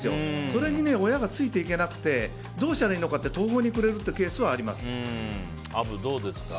それに親がついていけずにどうしたらいいのかって途方に暮れるというケースはアブはどうですか？